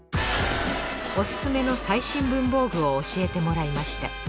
オススメの最新文房具を教えてもらいました